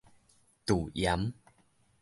駐鹽